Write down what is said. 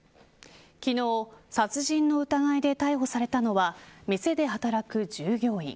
昨日、殺人の疑いで逮捕されたのは店で働く従業員。